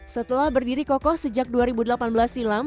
setelah berdiri kokoh sejak dua ribu delapan belas silam